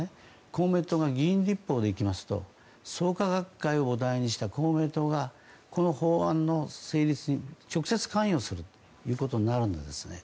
公明党が議員立法でいきますと創価学会を母体にした公明党がこの法案の成立に直接関与するということになるんですね。